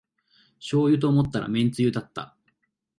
しょうゆと思ったらめんつゆだった